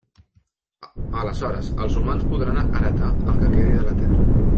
Aleshores els humans podran heretar el que quedi de la terra.